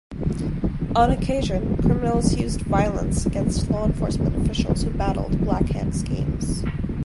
On occasion criminals used violence against law enforcement officials who battled Black Hand schemes.